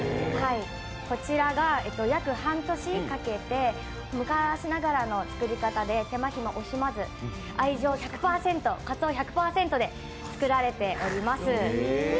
こちらが約半年かけて、昔ながらの作り方で手間を惜しまず愛情１００％、かつお１００％で作られております。